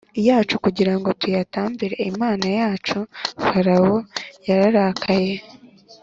yacu kugira ngo tuyatambire Imana yacu Farawo yararakaye